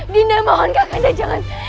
dinda mohon kakanda jangan